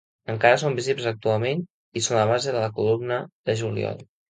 Encara són visibles actualment i són la base de la columna de Juliol.